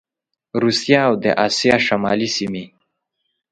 روسیه او د اسیا شمالي سیمي